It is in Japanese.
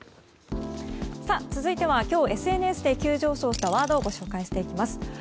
続いては今日ＳＮＳで急上昇したワードをご紹介していきます。